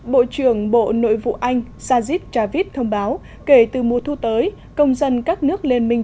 bộ trưởng bộ nội vụ anh sajit javid thông báo kể từ mùa thu tới công dân các nước liên minh